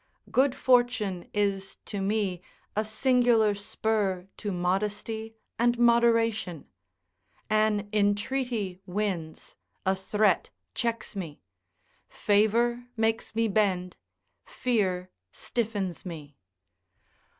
Good fortune is to me a singular spur to modesty and moderation: an entreaty wins, a threat checks me; favour makes me bend, fear stiffens me.